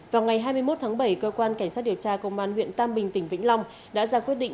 vào ngày hai mươi một tháng bảy cơ quan cảnh sát điều tra công an huyện tam bình tỉnh vĩnh long đã ra quyết định